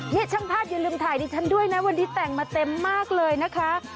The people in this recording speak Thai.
นี่ช่างภาพอย่าลืมถ่ายดิฉันด้วยนะวันนี้แต่งมาเต็มมากเลยนะคะ